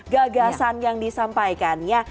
gagasan yang disampaikan ya